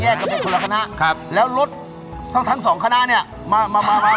เราจะลำดับภาพเหตุการณ์เมื่อก่อน๓๙ปีก่อน